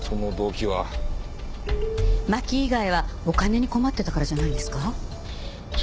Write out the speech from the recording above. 真紀以外はお金に困ってたからじゃないんですか？